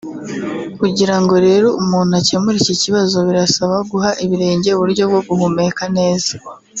Kugira ngo rero umuntu akemure iki kibazo birasaba guha ibirenge uburyo bwo guhumeka neza